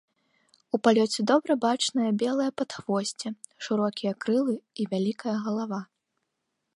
У палёце добра бачнае белае падхвосце, шырокія крылы і вялікая галава.